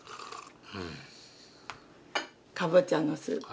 「うん」「かぼちゃのスープ」